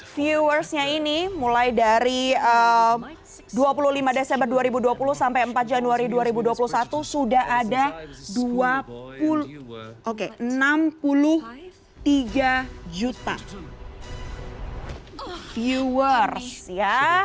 viewersnya ini mulai dari dua puluh lima desember dua ribu dua puluh sampai empat januari dua ribu dua puluh satu sudah ada enam puluh tiga juta viewers ya